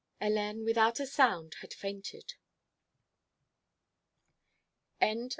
Hélène, without a sound, had fainted.